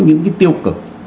những cái tiêu cực